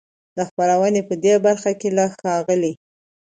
د خپرونې په دې برخه کې له ښاغلي